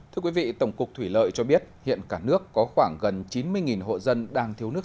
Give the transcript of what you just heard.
thưa quý vị tổng cục thủy lợi cho biết hiện cả nước có khoảng gần chín mươi hộ dân đang thiếu nước